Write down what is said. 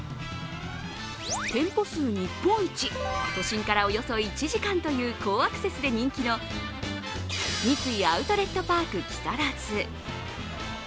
店舗数日本一、都心からおよそ１時間という好アクセスで人気の三井アウトレットパーク木更津。